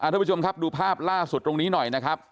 ทุกผู้ชมครับดูภาพล่าสุดตรงนี้หน่อยนะครับ